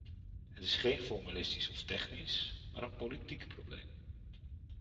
Het is geen formalistisch of technisch, maar een politiek probleem.